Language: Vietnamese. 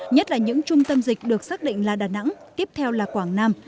nhất là những trung tâm dịch được xác định là đà nẵng tiếp theo là quảng nam